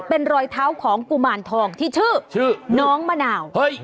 เป็นรอยเท้าของกุมารทองที่ชื่อชื่อน้องมะนาว